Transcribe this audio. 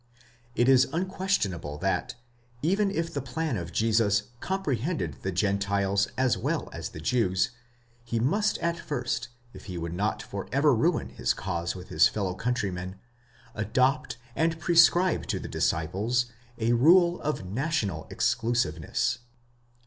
It is unquestionable that, even if the plan of Jesus comprehended the Gentiles as well as the Jews, he must at first, if he would not for ever ruin his cause with his fellow countrymen, adopt, and prescribe to the disciples, a rule of national exclusiveness.